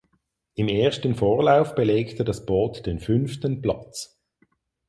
Im ersten Vorlauf belegte das Boot den fünften Platz.